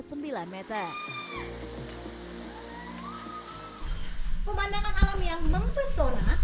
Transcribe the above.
pemandangan alam yang mempesona